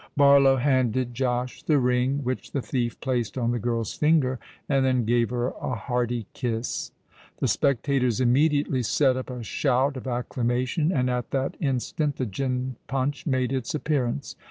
Barlow handed Josh the ring, which the thief placed on the girl's finger, and then gave her a hearty kiss. The spectators immediately set up a shout of acclamation; and at that instant the gin punch made its appearance.